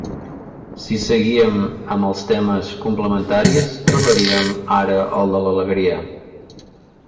Si seguíem amb els temes complementaris, trobaríem ara el de l'alegria.